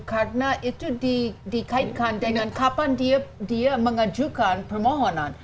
karena itu dikaitkan dengan kapan dia mengajukan permohonan